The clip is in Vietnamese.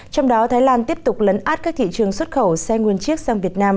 trong đó thái lan tiếp tục lấn át các thị trường xuất khẩu xe nguyên chiếc sang việt nam